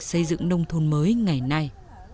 xây dựng nông thôn mới ngày nay